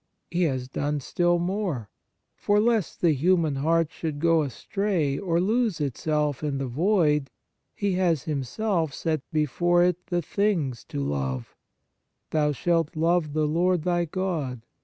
He has done still more, for, lest the human heart should go astray or lose itself in the void, He has Him self set before it the things to love : 11 Thou shalt love the Lord thy God.